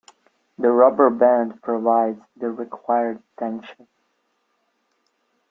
The rubber band provides the required tension.